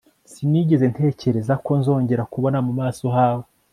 Sinigeze ntekereza ko nzongera kubona mu maso hawe